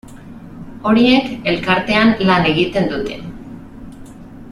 Horiek elkartean lan egiten dute.